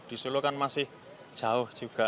di solo kan masih jauh juga